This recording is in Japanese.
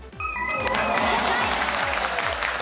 正解。